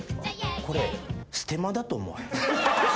これステマだと思われる。